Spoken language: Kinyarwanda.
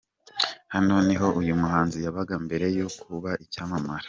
Hano niho uyu muhanzi yabaga mbere yo kuba icyamamare.